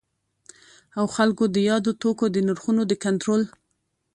او خلګو د یادو توکو د نرخونو د کنټرول